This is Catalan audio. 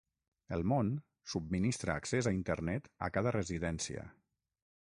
"El món" subministra accés a Internet a cada residència.